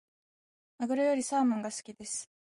マグロよりサーモンが好きです。